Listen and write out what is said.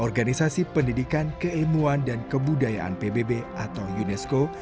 organisasi pendidikan keilmuan dan kebudayaan pbb atau unesco